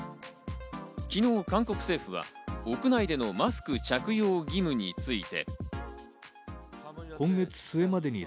昨日、韓国政府は屋内でのマスク着用義務について。